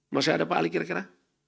maksudnya ada pak ali kira kira